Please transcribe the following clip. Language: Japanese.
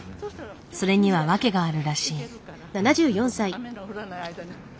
それには訳があるらしい。